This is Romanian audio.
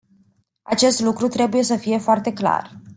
Acest lucru trebuie să fie foarte clar.